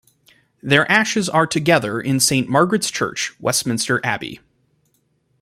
Their ashes are together in Saint Margaret's Church Westminster Abbey.